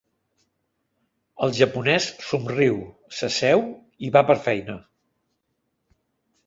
El japonès somriu, s'asseu i va per feina.